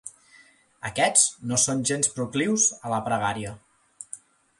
Aquests no són gens proclius a la pregària.